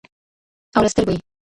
او له سترګو یې